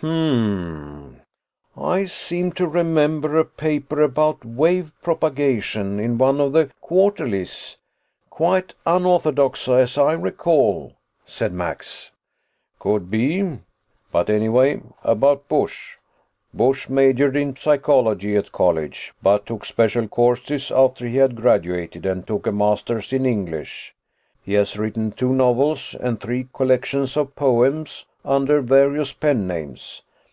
"Hm m m. I seem to remember a paper about wave propagation in one of the quarterlies. Quite unorthodox, as I recall," said Max. "Could be. But anyway, about Busch. "Busch majored in psychology at college, but took special courses after he graduated and took a Master's in English. He has written two novels and three collections of poems under various pen names.